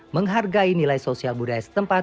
menghargai nilai sosial budaya setempat